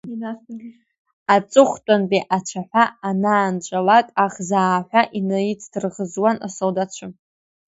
Аҵыхәтәантәи ацәаҳәа анаанҵәалак, аӷзааҳәа инацдырӷзуан асолдаҭцәа…